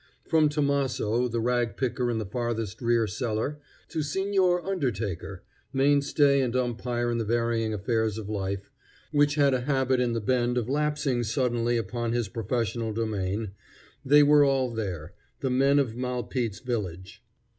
From Tomaso, the rag picker in the farthest rear cellar, to the Signor Undertaker, mainstay and umpire in the varying affairs of life, which had a habit in the Bend of lapsing suddenly upon his professional domain, they were all there, the men of Malpete's village.